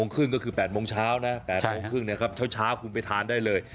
๘๓๐ก็คือ๘โมงเช้านะ๘๓๐เนี่ยครับช้าคุณไปทานได้เลย